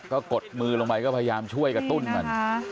ก็กดมือลงไปก็พยายามช่วยกระตุ้นมัน